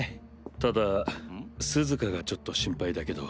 ただスズカがちょっと心配だけど。